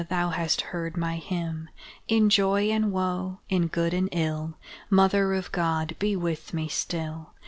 thou hast heard my hymn! In joy and woe in good and ill Mother of God, be with me still!